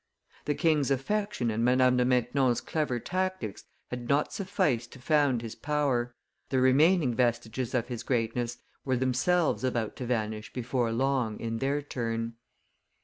The king's affection and Madame de Maintenon's clever tactics had not sufficed to found his power; the remaining vestiges of his greatness were themselves about to vanish before long in their turn.